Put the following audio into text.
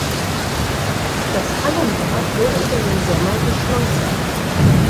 Das Hallenbad wurde über den Sommer geschlossen.